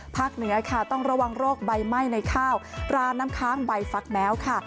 เหนือค่ะต้องระวังโรคใบไหม้ในข้าวราน้ำค้างใบฟักแมวค่ะ